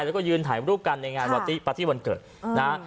แล้วก็ยืนถ่ายรูปกันในการแบบปาร์ตี้วันเกิดนะครับ